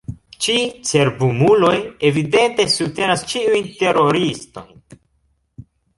Ĉi cerbumuloj evidente subtenas ĉiujn teroristojn.